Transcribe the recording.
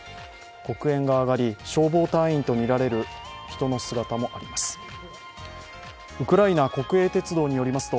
黒煙が上がり、消防隊員とみられる人の姿もあります。